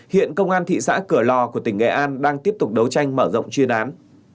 hiện công an thị xã cửa lò của tỉnh nghệ an đang tiếp tục đấu tranh mở rộng chuyên án